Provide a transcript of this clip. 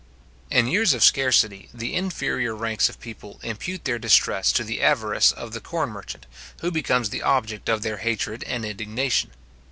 In years of scarcity, the inferior ranks of people impute their distress to the avarice of the corn merchant, who becomes the object of their hatred and indignation.